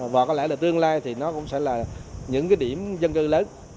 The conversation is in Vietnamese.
và có lẽ là tương lai thì nó cũng sẽ là những cái điểm dân cư lớn